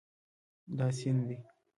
دا سیند دی